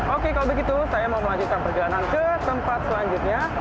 oke kalau begitu saya mau melanjutkan perjalanan ke tempat selanjutnya